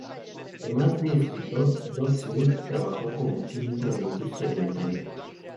Además de escritor, "Doc" Smith trabajó como químico en la industria alimentaria.